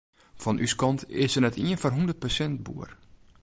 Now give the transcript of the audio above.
Fan ús kant is der net ien foar hûndert persint boer.